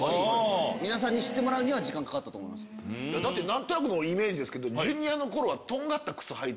何となくのイメージですけど。